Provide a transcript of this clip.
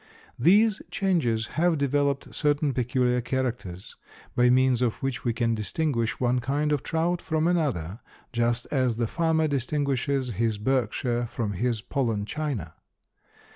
These changes have developed certain peculiar characters, by means of which we can distinguish one kind of trout from another, just as the farmer distinguishes his Berkshire from his Poland China.